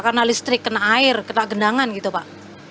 karena listrik kena air kena gendangan gitu pak